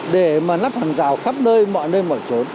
để mà nắp hàng rào khắp nơi mọi nơi mọi chỗ